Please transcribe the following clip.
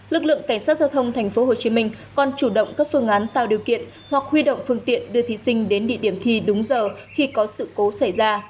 lực lượng cảnh sát giao thông tp hcm còn chủ động các phương án tạo điều kiện hoặc huy động phương tiện đưa thí sinh đến địa điểm thi đúng giờ khi có sự cố xảy ra